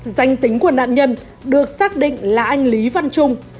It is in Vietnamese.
danh tính của nạn nhân được xác định là anh lý văn trung